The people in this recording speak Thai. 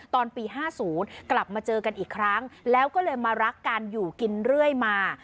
ตอนปี๕๐กลับมาเจอกันอีกครั้งแล้วก็เลยมารักกันอยู่กินเรื่อยมา